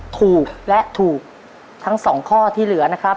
ถูกและถูกทั้งสองข้อที่เหลือนะครับ